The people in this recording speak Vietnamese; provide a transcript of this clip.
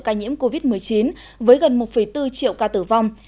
ca nhiễm covid một mươi chín với gần một bốn triệu ca tử vong